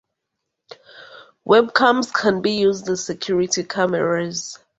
Webcams can be used as security cameras.